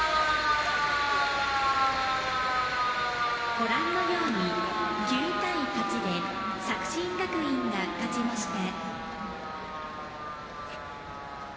ご覧のように９対８で作新学院が勝ちました。